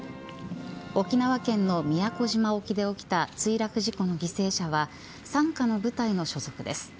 沖縄県の宮古島沖で起きた墜落事故の犠牲者は傘下の部隊の所属です。